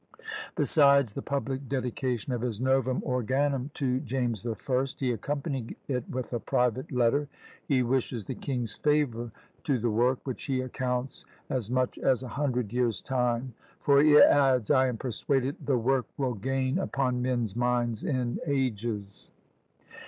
Besides the public dedication of his Novum Organum to James the First, he accompanied it with a private letter. He wishes the king's favour to the work, which he accounts as much as a hundred years' time; for he adds, "I am persuaded the work will gain upon men's minds in AGES."